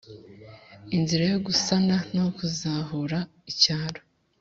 inzira yo gusana no kuzahura icyaro.